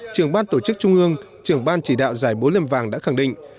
trưởng ban tổ chức trung ương trưởng ban chỉ đạo giải bối liềm vàng đã khẳng định